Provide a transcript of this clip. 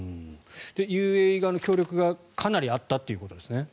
ＵＡＥ側の協力がかなりあったということですね。